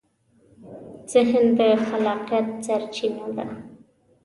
ذهن د خلاقیت سرچینه ده.